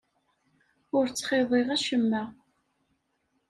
Ur ttxiḍiɣ acemma.